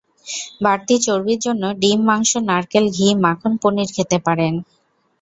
বাড়তি চর্বির জন্য ডিম, মাংস, নারকেল, ঘি, মাখন, পনির খেতে পারেন।